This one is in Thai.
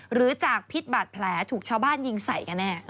หรือจากพิษบาดแผลถูกชาวบ้านยิงใส่กันแน่